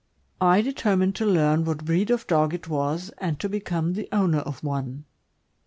I determined to learn what breed of dog it was, and to become the owner of one.